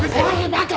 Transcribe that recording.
バカ！